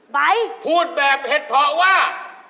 พูดแบบเห็ดเพาะว่า